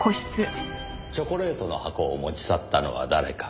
チョコレートの箱を持ち去ったのは誰か？